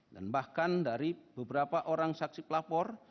dan bahkan dari beberapa orang saksi pelapor